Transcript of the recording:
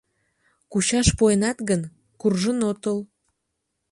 Кучаш пуэнат гын, куржын отыл.